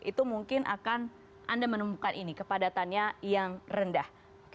itu mungkin akan anda menemukan ini kepadatannya yang rendah